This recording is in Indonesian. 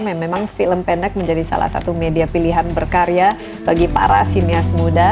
memang film pendek menjadi salah satu media pilihan berkarya bagi para sinias muda